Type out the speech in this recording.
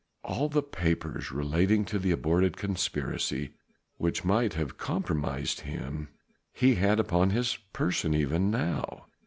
All the papers relating to the aborted conspiracy which might have compromised him he had upon his person even now.